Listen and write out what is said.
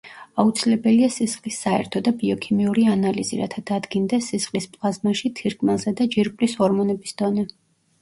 აუცილებელია სისხლის საერთო და ბიოქიმიური ანალიზი, რათა დადგინდეს სისხლის პლაზმაში თირკმელზედა ჯირკვლის ჰორმონების დონე.